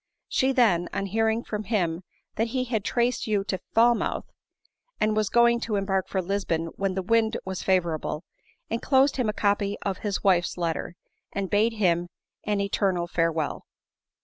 She then, on hearing from him that he had traced you to Falmouth, and was going to embark for Lisbon when the wind was favorable, enclos ed him a copy of his wife's letter, and bade him an eter nal farewell